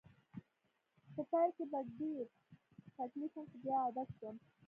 په پیل کې په ډېر تکلیف وم خو بیا عادت شوم